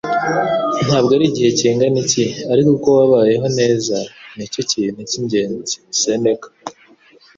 Ntabwo ari igihe kingana iki, ariko uko wabayeho neza ni cyo kintu cy'ingenzi.” - Seneka